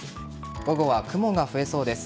午後は雲が増えそうです。